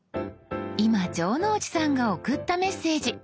今城之内さんが送ったメッセージ。